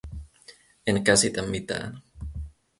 En käsitä mitään.